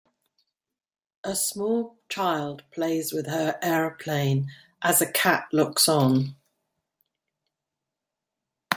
A small child plays with her airplane as a cat looks on